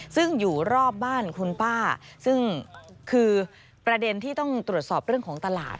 ซึ่งอยู่รอบบ้านคุณป้าซึ่งคือประเด็นที่ต้องตรวจสอบเรื่องของตลาด